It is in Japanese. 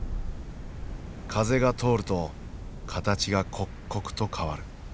風が通ると形が刻々と変わる。